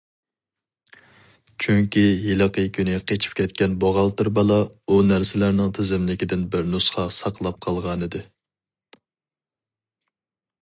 چۈنكى ھېلىقى كۈنى قېچىپ كەتكەن بوغالتىر بالا ئۇ نەرسىلەرنىڭ تىزىملىكىدىن بىر نۇسخا ساقلاپ قالغانىدى.